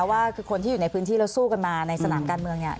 ว่าคือคนที่อยู่ในพื้นที่แล้วสู้กันมาในสนามการเมืองเนี่ย